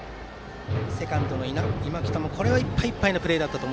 セカンドの今北もいっぱいいっぱいのプレーでした。